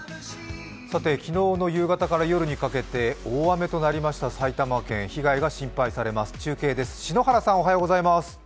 昨日の夕方から夜にかけて大雨となりました埼玉県、心配されます。